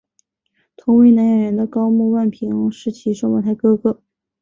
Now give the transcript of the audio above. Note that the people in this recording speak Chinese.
同为男演员的高木万平是其双胞胎哥哥。